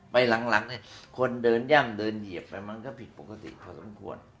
ไปหลังเนี่ยคนเดินย่ำเดินเหยียบไปมันก็ผิดปกติพอสมควร